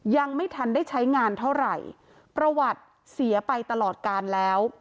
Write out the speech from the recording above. ยังไม่ทันได้ใช้งานเท่าไหร่ประวัติเสียไปตลอดกาลแล้ว